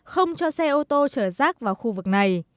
không cho xe ô tô chở rác vào khu vực này